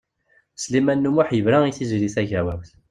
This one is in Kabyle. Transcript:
Sliman U Muḥ yebra i Tiziri Tagawawt.